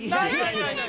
ないない。